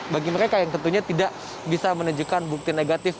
bagi mereka yang tentunya tidak bisa menunjukkan bukti negatif